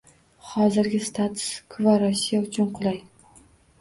Hozirgi status -kvo Rossiya uchun qulay